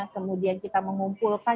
kemudian kita melakukan penyelidikan